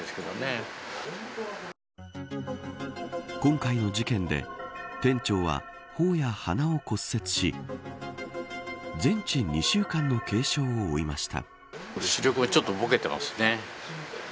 今回の事件で店長は頬や鼻を骨折し全治２週間の軽傷を負いました。